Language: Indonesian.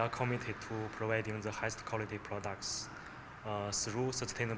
kami berhutang untuk memperoleh produk produk kualitas terbaik